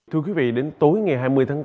thưa quý vị đến tối ngày hai mươi tháng bốn